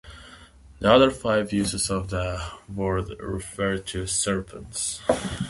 The other five uses of the word refer to serpents.